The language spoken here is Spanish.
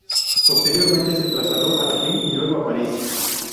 Posteriormente se trasladó a Berlín y luego a París.